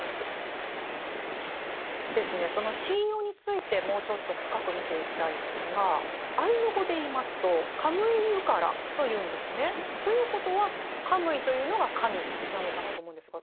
その神謡についてもうちょっと深く見ていきたいんですがアイヌ語で言いますと「カムイユカラ」と言うんですね。ということは「カムイ」というのが「神」なのかなと思うんですが。